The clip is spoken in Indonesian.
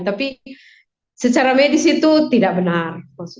tapi secara medis itu tidak benar